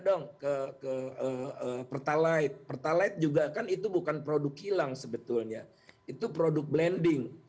dong ke ke pertalaid pertalaid juga akan itu bukan produk hilang sebetulnya itu produk blending